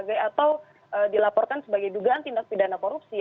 atau dilaporkan sebagai dugaan tindak pidana korupsi